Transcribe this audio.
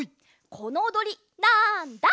このおどりなんだ？